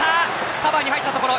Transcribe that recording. カバーに入ったところ。